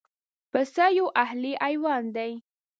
پسه یو اهلي حیوان دی.